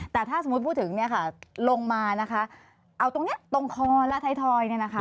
แต่ถ้าสมมุติพูดถึงลงมานะคะเอาตรงนี้ตรงคอละไทยทอยนี่นะคะ